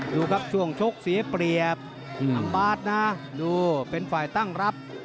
ดูครับช่วงชกเสียเปรียบอัมบาร์ดนะดูเป็นฝ่ายตั้งรับ